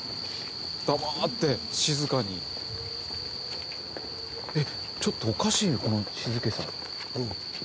黙って静かにえっちょっとおかしいよこの静けさ